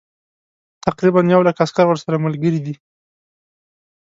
تقریبا یو لک عسکر ورسره ملګري دي.